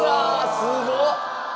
すごっ！